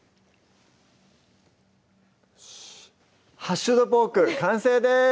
「ハッシュドポーク」完成です